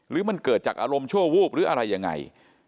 หรือมันเกิดจากอารมณ์ชั่ววูบหรืออะไรยังไง